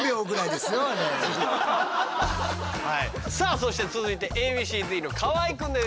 さあそして続いてＡ．Ｂ．Ｃ−Ｚの河合くんです